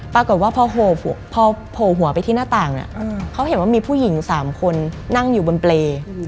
ปรากฏว่าพอโผล่หัวไปที่หน้าต่างเขาเห็นว่ามีผู้หญิง๓คนนั่งอยู่บนเปรย์